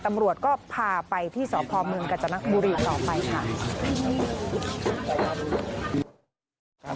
ตำรวจก็พาไปที่สพเมืองกาจนบุรีต่อไปค่ะ